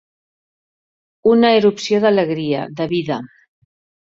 Una erupció d'alegria, de vida.